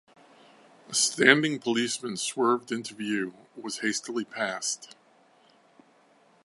A standing policeman swerved into view, was hastily passed.